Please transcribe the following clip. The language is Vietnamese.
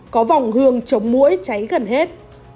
có vòng hương chống mũi cháy gần hết